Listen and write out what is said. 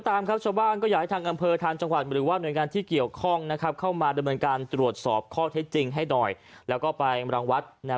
อยากกว่ากำเภอจังหวัดนำเภอหน้าข่าวทุกคนก็ช่วยช่วยชาวบ้านหน่อย